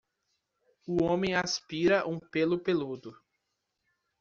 O homem aspira um pêlo peludo.